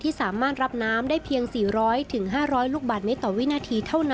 ที่สามารถรับน้ำได้เพียง๔๐๐๕๐๐ลูกบาท